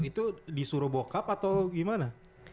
itu disuruh bokap atau gimana